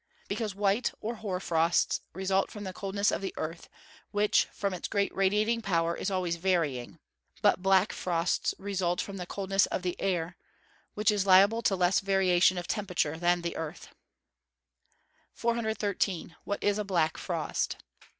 _ Because white, or hoar frosts, result from the coldness of the earth, which, from its great radiating power, is always varying. But black frosts result from the coldness of the air, which is liable to less variation of temperature than the earth. 413. _What is a black frost?